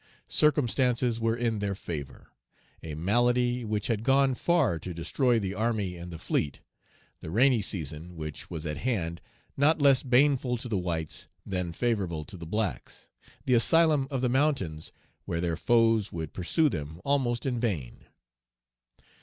Circumstances were in their favor: a malady which had gone far to destroy the army and the fleet; the rainy season, which was at hand, not less baneful to the whites than favorable to the blacks; the asylum of the mountains, where their foes would pursue them almost in vain.